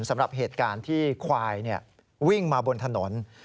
สำหรับเหตุการณ์ที่ควายวิ่งมาบนถนน